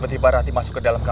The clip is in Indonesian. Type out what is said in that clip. mereka troublah ensamaku